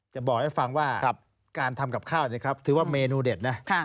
จะบอกให้ฟังว่าการทำกับข้าวนี่ครับถือว่าเมนูเด็ดนะครับ